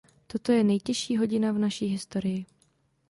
Toto je nejtěžší hodina v naší historii.